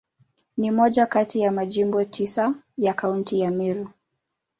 Ni moja kati ya Majimbo tisa ya Kaunti ya Meru.